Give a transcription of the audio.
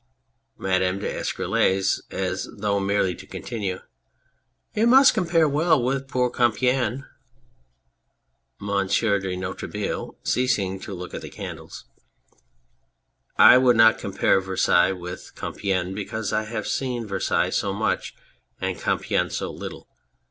MADAME D'ESCUROLLES (as though merely to continue}. It must compare well with poor Compiegne ! MONSIEUR DE NOIRETABLE (ceasing to look at the candles}. I would not compare Versailles with Com piegne because I have seen Versailles so much and Compiegne so little.